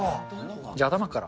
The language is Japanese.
じゃあ、頭から。